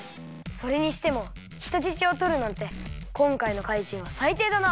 それにしてもひとじちをとるなんてこんかいの怪人はさいていだな！